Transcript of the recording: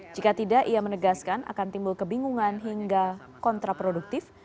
jika tidak ia menegaskan akan timbul kebingungan hingga kontraproduktif